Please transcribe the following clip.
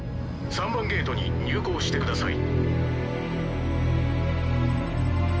３番ゲートに入港してください。